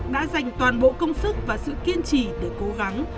đã dành toàn bộ công sức và sự kiên trì để cố gắng